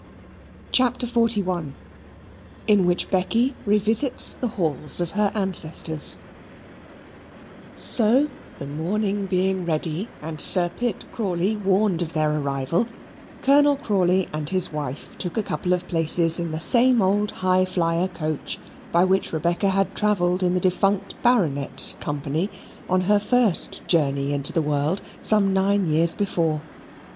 CHAPTER XLI In Which Becky Revisits the Halls of Her Ancestors So the mourning being ready, and Sir Pitt Crawley warned of their arrival, Colonel Crawley and his wife took a couple of places in the same old High flyer coach by which Rebecca had travelled in the defunct Baronet's company, on her first journey into the world some nine years before.